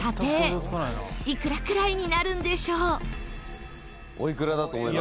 いくらくらいになるんでしょう？